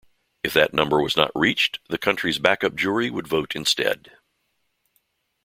If that number was not reached, the country's backup jury would vote instead.